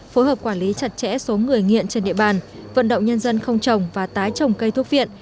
phối hợp quản lý chặt chẽ số người nghiện trên địa bàn vận động nhân dân không trồng và tái trồng cây thuốc viện